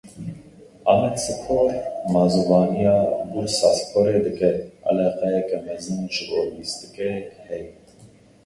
Amedspor mazûvaniya Bursaporê dike; Eleqeyeke mezin ji bo lîstikê heye.